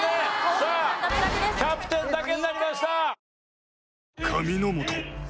さあキャプテンだけになりました！